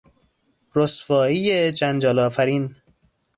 رسوایی جنجال آفرین